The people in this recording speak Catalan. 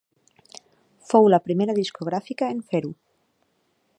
Fou la primera discogràfica en fer-ho.